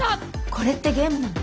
これってゲームなの？